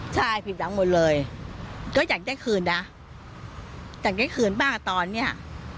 ใช่ผิดหวังหมดเลยก็อยากได้คืนนะอยากได้คืนบ้างอ่ะตอนเนี้ย